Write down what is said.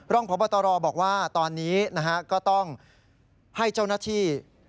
รองพบตรบอกว่าตอนนี้นะฮะก็ต้องให้เจ้าหน้าที่